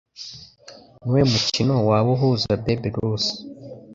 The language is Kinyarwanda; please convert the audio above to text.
Nuwuhe mukino Waba Uhuza Babe Ruth